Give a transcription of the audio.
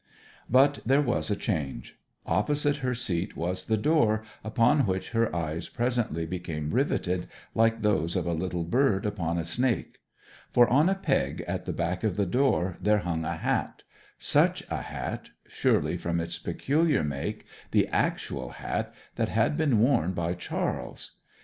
But there was a change. Opposite her seat was the door, upon which her eyes presently became riveted like those of a little bird upon a snake. For, on a peg at the back of the door, there hung a hat; such a hat surely, from its peculiar make, the actual hat that had been worn by Charles.